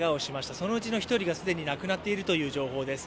そのうちの１人が既に亡くなっているという情報です。